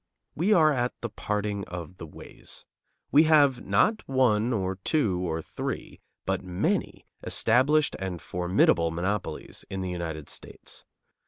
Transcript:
We are at the parting of the ways. We have, not one or two or three, but many, established and formidable monopolies in the United States.